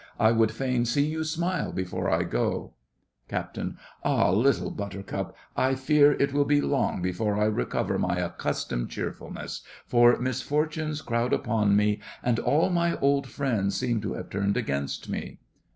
I would fain see you smile before I go. CAPT. Ah! Little Buttercup, I fear it will be long before I recover my accustomed cheerfulness, for misfortunes crowd upon me, and all my old friends seem to have turned against me!